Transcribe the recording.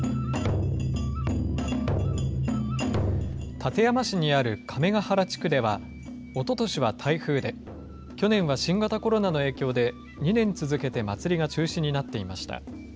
館山市にある亀ヶ原地区では、おととしは台風で、去年は新型コロナの影響で、２年続けて祭りが中止になっていました。